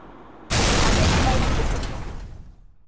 তাহলে আমরা ওনাকে কোথায় দেবো?